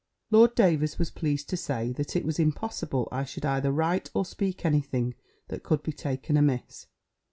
Lord Davers was pleased to say, that it was impossible I should either write or speak any thing that could be taken amiss.